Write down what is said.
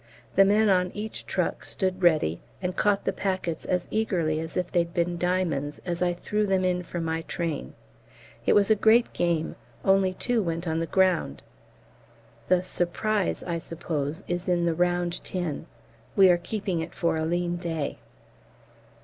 The men on each truck stood ready, and caught the packets as eagerly as if they'd been diamonds as I threw them in from my train. It was a great game; only two went on the ground. The "Surprise," I suppose, is in the round tin. We are keeping it for a lean day.